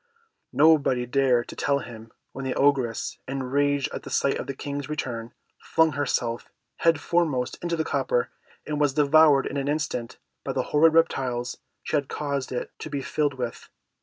Nobody dared to tell him, when the Ogress, enraged at the sight of the King's return, flung herself head foremost into the copper, and was devoured in an instant by the horrid reptiles she had caused it to be filled with.